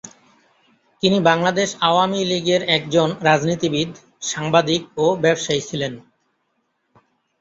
তিনি বাংলাদেশ আওয়ামী লীগের একজন রাজনীতিবিদ, সাংবাদিক ও ব্যবসায়ী ছিলেন।